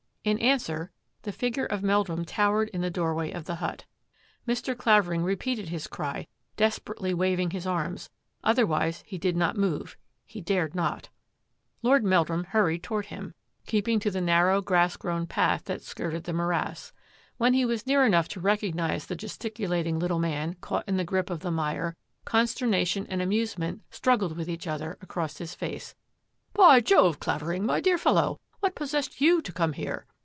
In answer, the figure of Meldrum towered in the doorway of the hut. Mr. Clavering repeated his cry, desperately waving his arms; otherwise he did not move ; he dared not. Lord Meldrum hurried toward him, keeping to I CLAVERING MUDDIES HIS BOOTS 136 the narrow grass grown path that skirted the morass. When he was near enough to recognise the gesticulating little man caught in the grip of the mire, consternation and amusement struggled with each other across his face. " By Jove, Clavering, my dear fellow, what possessed you to come here?